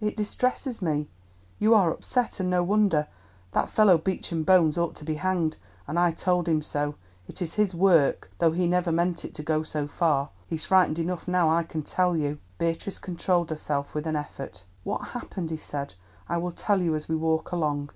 It distresses me. You are upset, and no wonder. That fellow Beecham Bones ought to be hanged, and I told him so. It is his work, though he never meant it to go so far. He's frightened enough now, I can tell you." Beatrice controlled herself with an effort. "What happened," he said, "I will tell you as we walk along.